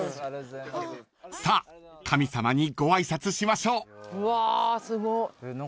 ［さあ神様にご挨拶しましょう］